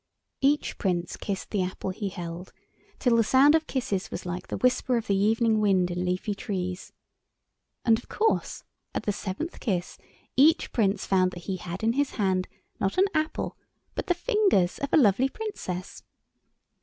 Each Prince kissed the apple he held, till the sound of kisses was like the whisper of the evening wind in leafy trees. And, of course, at the seventh kiss each Prince found that he had in his hand not an apple, but the fingers of a lovely Princess.